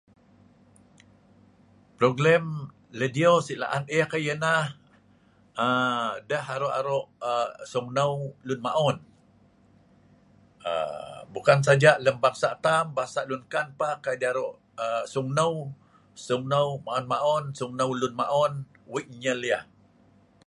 Ploglem ledio si laan eek ai yanah, um deh aro aro songnou um lun maon um bukan saja lem bangsa tam, bangsa lun enkan kai deh aro songnou maon maon songnou lun maon wei' nnyel yah